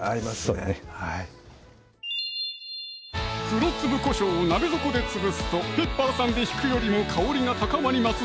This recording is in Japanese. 黒粒こしょうを鍋底で潰すとペッパーさんでひくよりも香りが高まります